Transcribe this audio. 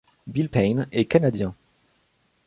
Bill Payne est canadien.